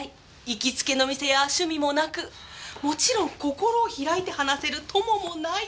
行きつけの店や趣味もなくもちろん心を開いて話せる友もない。